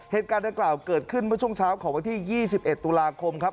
เหตุการณ์ดังกล่าวเกิดขึ้นเมื่อช่วงเช้าของวันที่๒๑ตุลาคมครับ